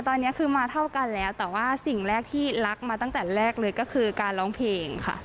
ตอนนี้คือมาเท่ากันแล้วแต่ว่าสิ่งแรกที่รักมาตั้งแต่แรกเลยก็คือการร้องเพลงค่ะ